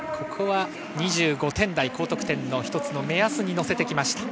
２５点台、高得点の一つの目安に乗せてきました。